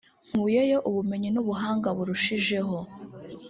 “Nkuyeyo ubumenyi n’ubuhanga burushijeho